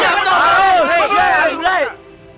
iya betul betul betul